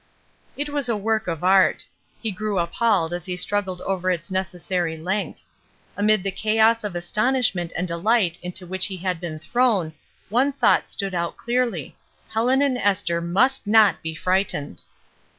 It was a work of art. He grew appalled as he struggled over its necessary length; amid the chaos of astonishment and deUght into which he had been thrown, one thought stood out clearly, — Helen and Esther must not be frightened.